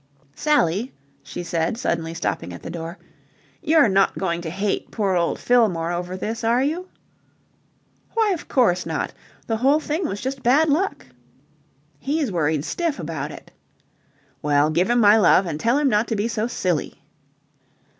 Sally," she said, suddenly stopping at the door, "you're not going to hate poor old Fillmore over this, are you?" "Why, of course not. The whole thing was just bad luck." "He's worried stiff about it." "Well, give him my love, and tell him not to be so silly."